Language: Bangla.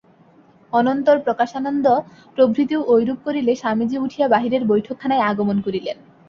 অনন্তর প্রকাশানন্দ প্রভৃতিও ঐরূপ করিলে স্বামীজী উঠিয়া বাহিরের বৈঠকখানায় আগমন করিলেন।